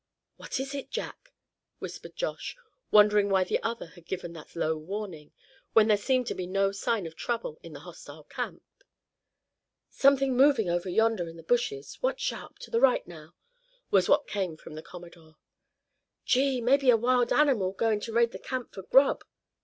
"What was it, Jack?" whispered Josh, wondering why the other had given that low warning, when there seemed to be no sign of trouble in the hostile camp. "Something moving over yonder in the bushes; watch sharp, to the right, now!" was what came from the Commodore. "Gee! mebbe a wild animal goin' to raid the camp for grub!"